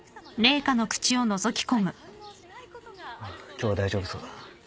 今日は大丈夫そうだ。